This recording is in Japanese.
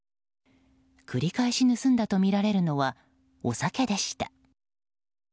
繰り返し盗んだとみられるのはお酒でした。